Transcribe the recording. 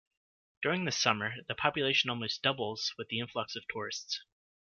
During the summer the population almost doubles with the influx of tourists.